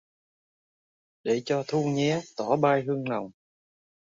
Để cho Thu nhé tỏa bay hương nồng